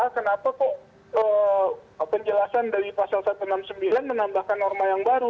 kenapa kok penjelasan dari pasal satu ratus enam puluh sembilan menambahkan norma yang baru